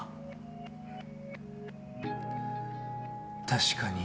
確かに。